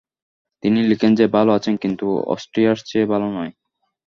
তিনি লিখেন যে ভাল আছেন কিন্তু অস্ট্রিয়ার চেয়ে ভাল নয়।